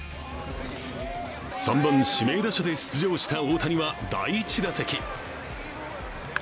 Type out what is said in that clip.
３番・指名打者で出場した大谷は第１打席。